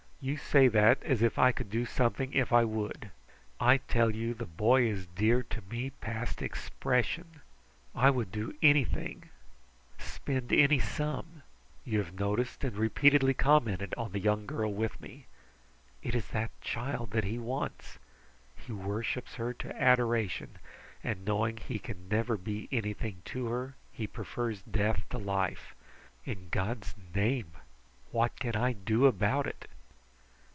"You say that as if I could do something if I would. I tell you the boy is dear to me past expression. I would do anything spend any sum. You have noticed and repeatedly commented on the young girl with me. It is that child that he wants! He worships her to adoration, and knowing he can never be anything to her, he prefers death to life. In God's name, what can I do about it?"